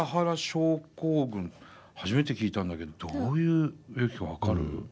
初めて聞いたんだけどどういう病気か分かる？